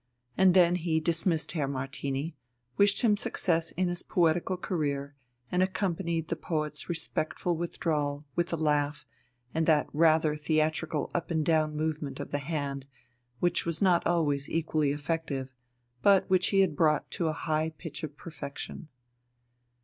And then he dismissed Herr Martini, wished him success in his poetical career, and accompanied the poet's respectful withdrawal with a laugh and that rather theatrical up and down movement of the hand which was not always equally effective, but which he had brought to a high pitch of perfection.